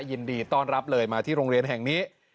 ยินดีต้อนรับเลยมาที่โรงเรียนแห่งนี้